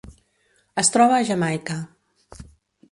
Es troba a Jamaica.